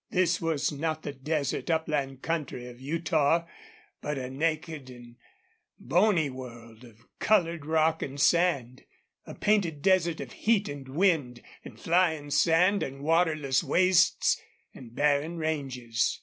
This was not the desert upland country of Utah, but a naked and bony world of colored rock and sand a painted desert of heat and wind and flying sand and waterless wastes and barren ranges.